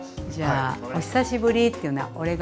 じゃあお久しぶりっていうのはそう。